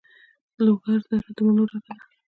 د لوګر دره د مڼو ډکه ده.